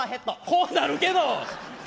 こうなるけど！